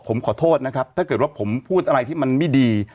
ผมขอโทษนะครับถ้าเกิดว่าผมพูดอะไรที่มันไม่ดี